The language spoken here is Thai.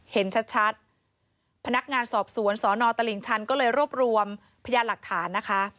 เห็นชัดพนักงานสอบสวนสนตลิ่งชันก็เลยรวบรวมพยานหลักฐานนะคะ